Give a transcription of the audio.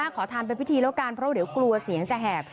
ขอทานเป็นพิธีแล้วกันเพราะเดี๋ยวกลัวเสียงจะแหบ